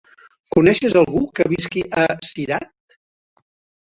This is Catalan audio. Coneixes algú que visqui a Cirat?